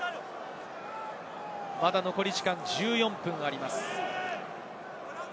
残り時間１４分あります。